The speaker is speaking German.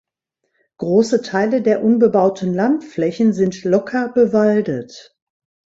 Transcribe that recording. Große Teile der unbebauten Landflächen sind locker bewaldet.